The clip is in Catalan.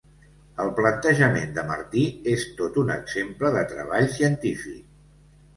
El plantejament de Martí és tot un exemple de treball científic.